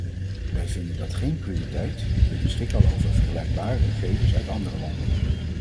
Wij vinden dat geen prioriteit: we beschikken al over vergelijkbare gegevens uit andere landen.